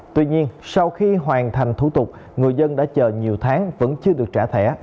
tuy nhiên sau khi hoàn thành thủ tục người dân đã chờ nhiều tháng vẫn chưa được trả thẻ